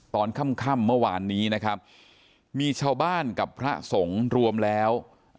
ตอนค่ำเมื่อวานนี้นะครับมีชาวบ้านกับพระสงฆ์รวมแล้ว